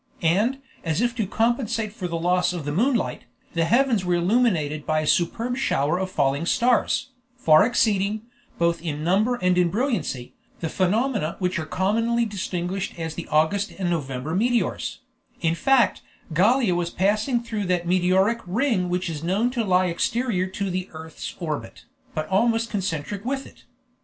And, as if to compensate for the loss of the moonlight, the heavens were illuminated by a superb shower of falling stars, far exceeding, both in number and in brilliancy, the phenomena which are commonly distinguished as the August and November meteors; in fact, Gallia was passing through that meteoric ring which is known to lie exterior to the earth's orbit, but almost concentric with it.